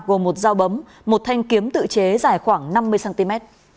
gồm một dao bấm một thanh kiếm tự chế dài khoảng năm mươi cm